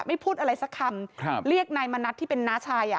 พูดอะไรสักคำครับเรียกนายมณัฐที่เป็นน้าชายอ่ะ